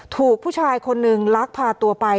ถูกผู้ชายคนนึงลักพาตัวไป